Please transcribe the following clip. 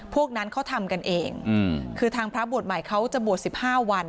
พวกนั้นเขาทำกันเองคือทางพระบวชใหม่เขาจะบวช๑๕วัน